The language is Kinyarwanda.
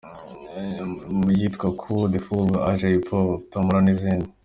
mu yitwa Coup de foudre à Jaipur, Tamara n’izindi.